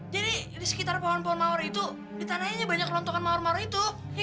jadi di sekitar pohon pohon mawar itu di tanahnya banyak lontokan mawar mawar itu ya kan